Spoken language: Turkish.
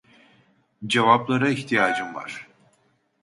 Cevaplara ihtiyacım var.